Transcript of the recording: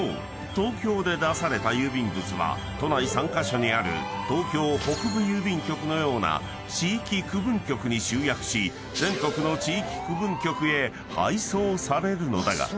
東京で出された郵便物は都内３カ所にある東京北部郵便局のような地域区分局に集約し全国の地域区分局へ配送されるのだが］